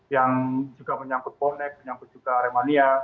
yang juga menyangkut bonek menyangkut juga aremania